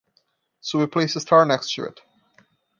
So we place a star next to it.